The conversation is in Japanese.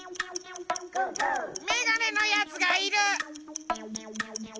メガネのやつがいる。